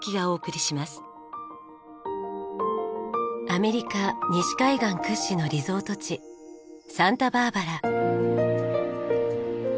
アメリカ西海岸屈指のリゾート地サンタバーバラ。